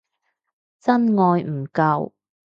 真愛唔夠